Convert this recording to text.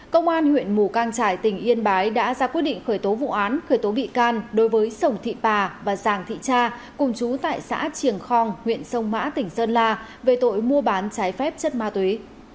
công an huyện mù cang trải tỉnh yên bái đã ra quyết định khởi tố vụ án khởi tố bị can đối với sồng thị pà và giàng thị cha cùng chú tại xã triềng khong huyện sông mã tỉnh sơn la về tội mua bán trái phép chất ma túy